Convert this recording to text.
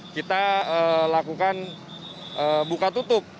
kita lakukan buka tutup